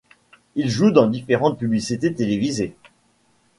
Il joue dans différentes publicités télévisées.